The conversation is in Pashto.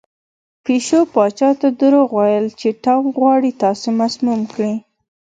پیشو پاچا ته دروغ وویل چې ټام غواړي تاسې مسموم کړي.